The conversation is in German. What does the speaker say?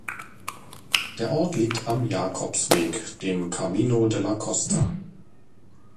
Der Ort liegt am Jakobsweg, dem Camino de la Costa.